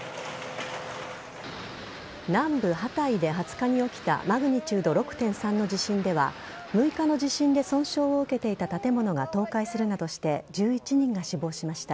南部・ハタイで２０日に起きたマグニチュード６．３の地震では６日の地震で損傷を受けていた建物が倒壊するなどして１１人が死亡しました。